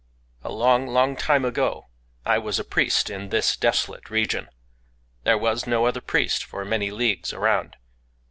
"A long, long time ago, I was a priest in this desolate region. There was no other priest for many leagues around.